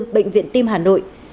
bệnh viện tim hà nội